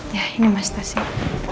ya ini mas tasik